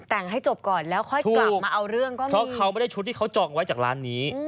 แต่งให้จบก่อนแล้วค่อยกลับมาเอาเรื่องก็ได้เพราะเขาไม่ได้ชุดที่เขาจองไว้จากร้านนี้